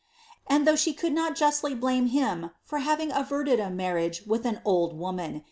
And though she could not justly blatne hi. having averted a marriage with an old leomiin.'